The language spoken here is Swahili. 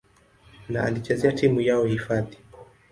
na alichezea timu yao hifadhi.